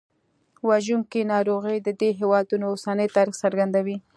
وژونکي ناروغۍ د دې هېوادونو اوسني تاریخ څرګندوي.